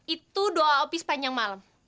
itu doa opi sepanjang malam